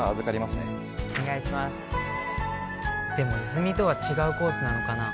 泉とは違うコースなのかな？